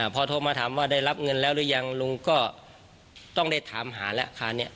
พอโทรมาถามว่าได้รับเงินแล้วหรือยังลุงก็ต้องได้ถามหาแล้วคราวนี้